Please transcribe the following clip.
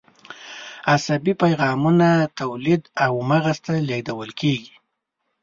عصبي پیغامونه تولید او مغز ته لیږدول کېږي.